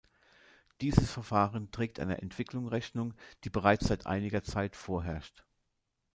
Dieses Verfahren trägt einer Entwicklung Rechnung, die bereits seit einiger Zeit vorherrscht.